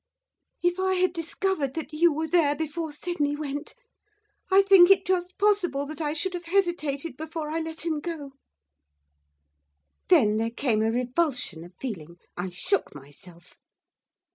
'If I had discovered that you were there before Sydney went, I think it just possible that I should have hesitated before I let him go.' Then there came a revulsion of feeling. I shook myself.